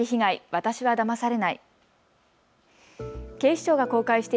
私はだまされない。